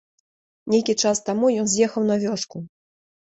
Нейкі час таму ён з'ехаў на вёску.